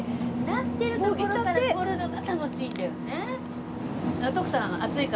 なってるところからとるのが楽しいんだよね。